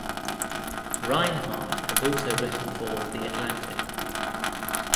Reinhard has also written for "The Atlantic".